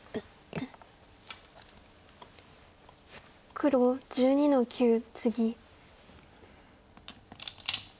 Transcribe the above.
黒１２の九ツギ。